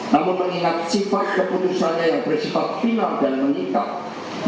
namun mengingat sifat keputusannya yang bersifat final dan mengikat